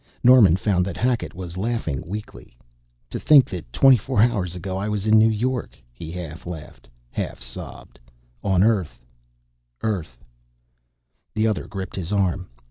Norman found that Hackett was laughing weakly. "To think that twenty four hours ago I was in New York," he half laughed, half sobbed. "On Earth Earth " The other gripped his arm.